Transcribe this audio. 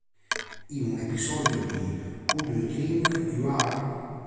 In un episodio di "Who Do You Think You Are?